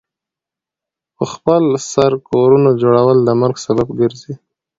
پخپل سر کورونو جوړول د مرګ سبب ګرځي.